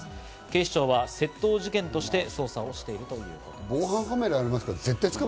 警視庁は窃盗事件として捜査しているということです。